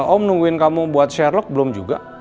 om nungguin kamu buat sherlock belum juga